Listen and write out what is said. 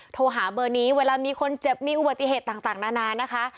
โทรหาเบอร์นี้เวลามีคนเจ็บมีอุบัติเหตุต่างนานานะคะ